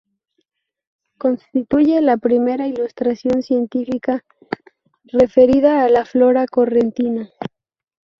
Constituye la primera ilustración científica referida a la flora correntina.